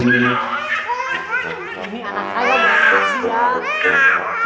sudah dipaksa kemarin